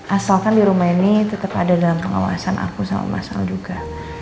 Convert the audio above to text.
asalkan di rumah ini tetap ada dalam pengawasan aku sama mas al juga